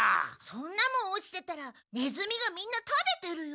そんなもん落ちてたらネズミがみんな食べてるよ。